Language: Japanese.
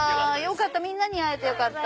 みんなに会えてよかった。